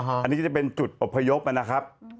อันนี้ก็จะเป็นจุดอบพยพนะครับ